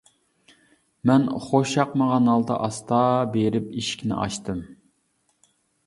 مەن خۇشياقمىغان ھالدا ئاستا بېرىپ ئىشىكنى ئاچتىم.